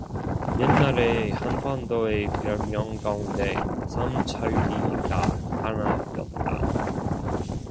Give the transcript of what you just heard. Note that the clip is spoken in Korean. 옛날에 한반도의 별명 가운데 "삼천리"가 하나였다